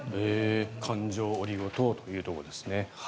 環状オリゴ糖というところですね。